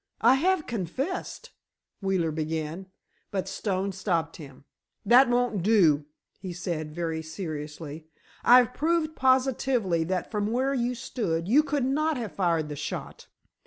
"I have confessed," Wheeler began, but Stone stopped him. "That won't do," he said, very seriously. "I've proved positively that from where you stood, you could not have fired the shot.